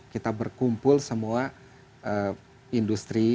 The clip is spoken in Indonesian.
kita berkumpul semua industri